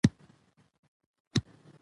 داسې په ښځه کې جسمي بدلون راغى.